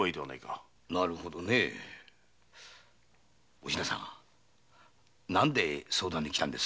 お品さんなんで相談に来たんです？